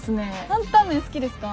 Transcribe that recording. タンタン麺好きですか？